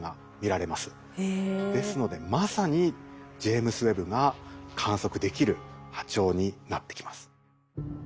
ですのでまさにジェイムズ・ウェッブが観測できる波長になってきます。